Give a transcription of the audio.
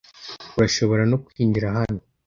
urashobora no kwinjira hano